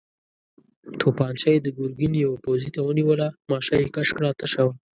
توپانجه يې د ګرګين يوه پوځي ته ونيوله، ماشه يې کش کړه، تشه وه.